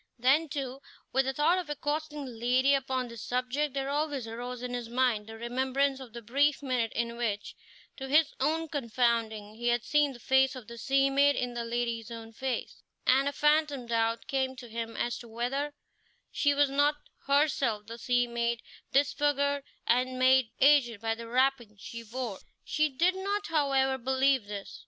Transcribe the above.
Then, too, with the thought of accosting the lady upon this subject there always arose in his mind the remembrance of the brief minute in which, to his own confounding, he had seen the face of the sea maid in the lady's own face, and a phantom doubt came to him as to whether she were not herself the sea maid, disfigured and made aged by the wrappings she wore. He did not, however, believe this.